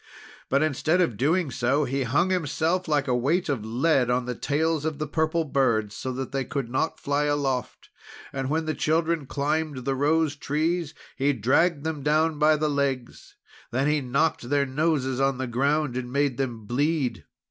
But instead of doing so, he hung himself like a weight of lead on the tails of the Purple Birds, so that they could not fly aloft. And when the children climbed the rose trees, he dragged them down by the legs. Then he knocked their noses on the ground, and made them bleed.